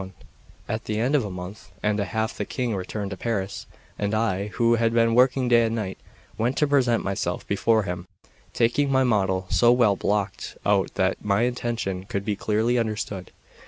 XXI AT the end of a month and a half the King returned to Paris; and I, who had been working day and night, went to present myself before him, taking my model, so well blocked out that my intention could be clearly understood.